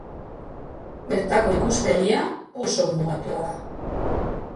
Bertako ikuspegia oso mugatua da.